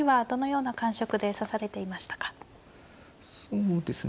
そうですね。